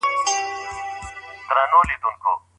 ولي لېواله انسان د ذهین سړي په پرتله خنډونه ماتوي؟